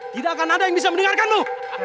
tidak akan ada yang bisa mendengarkanmu